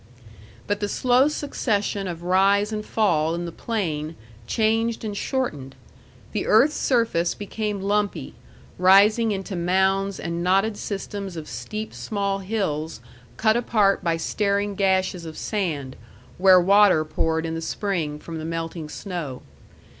But the slow succession of rise and fall in the plain changed and shortened. The earth's surface became lumpy, rising into mounds and knotted systems of steep small hills cut apart by staring gashes of sand, where water poured in the spring from the melting snow.